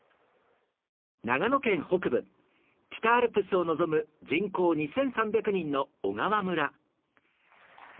長野県北部北アルプスを望む人口２３００人の小川村村